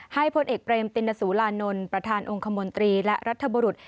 พลเอกเบรมตินสุรานนท์ประธานองค์คมนตรีและรัฐบุรุษ